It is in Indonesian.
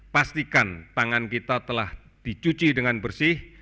pastikan tangan kita telah dicuci dengan bersih